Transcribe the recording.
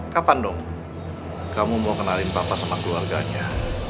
kapan dong kamu mau kenalin bapak sama keluarganya